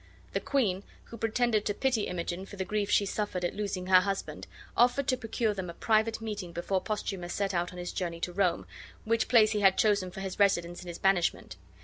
The queen, who pretended to pity Imogen for the grief she suffered at losing her husband, offered to procure them a private meeting before Posthumus set out on his journey to Rome, which place he had chosen for his residence in his banishment.